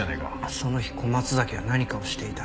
その日小松崎は何かをしていた。